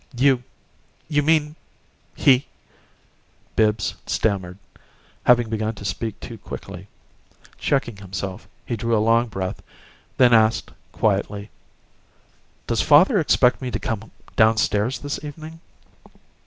"You you mean he " Bibbs stammered, having begun to speak too quickly. Checking himself, he drew a long breath, then asked, quietly, "Does father expect me to come down stairs this evening?"